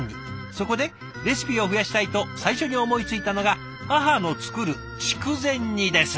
そこでレシピを増やしたいと最初に思いついたのが母の作る筑前煮です」。